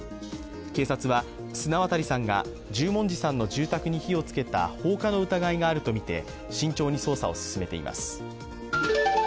警察は砂渡さんが十文字さんの住宅に火をつけた放火の疑いがあるとみて慎重に捜査を進めています。